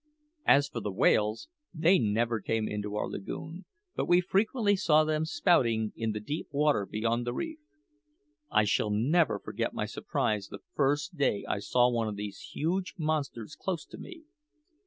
As for the whales, they never came into our lagoon; but we frequently saw them spouting in the deep water beyond the reef. I shall never forget my surprise the first day I saw one of these huge monsters close to me.